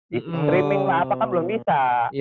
di streaming apa kan belum bisa